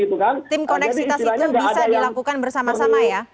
tim koneksitas itu bisa dilakukan bersama sama ya